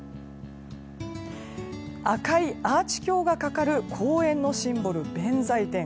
赤いアーチ橋が架かる公園のシンボル弁財天。